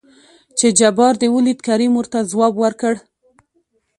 چې جبار دې ولېد؟ کريم ورته ځواب ورکړ.